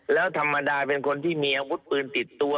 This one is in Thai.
แล้วธรรมดาเป็นคนที่มีอาวุธปืนติดตัว